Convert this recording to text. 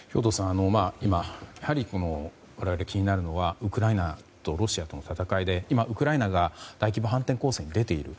今、我々が気になるのはウクライナとロシアとの戦いで今、ウクライナが大規模反転攻勢に出ている。